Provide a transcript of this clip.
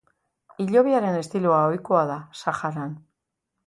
Hilobiaren estiloa ohikoa da Saharan.